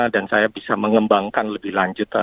dan saya bisa mengembangkan lebih lanjut